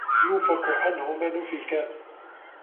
يُؤفَكُ عَنهُ مَن أُفِكَ